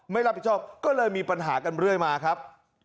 ไม่รับผิดชอบก็เลยมีปัญหากันเรื่อยมาครับ